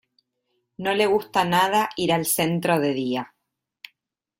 No le gusta nada ir al centro de día.